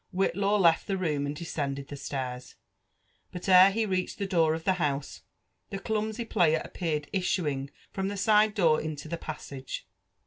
Whitlaw left the fb6m and descended (he stairs ; but ere he reached the door of the house, the clumpy player appeared issuing from the side door intd the passage.